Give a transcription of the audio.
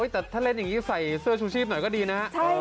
แต่ถ้าเล่นแบบนี้ใส่เสื้อชุโชซหน่อยก็ดีนะ